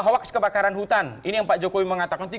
hoaks kebakaran hutan ini yang pak jokowi mengatakan